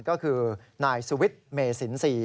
ก็คือนายสุวิทธิ์เมสิน๔